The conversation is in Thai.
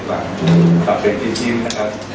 เป็นฝั่งทำเป็นจริงจริงนะครับ